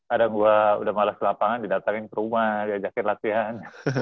ada gua udah males lapangan didatangin ke rumah diajakin latihan